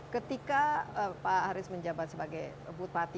ketika pak haris menjabat sebagai bupati